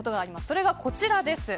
それがこちらです。